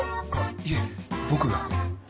いえ僕が。